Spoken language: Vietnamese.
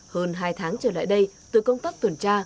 hơn hai tháng trở lại đây từ công tác tuần tra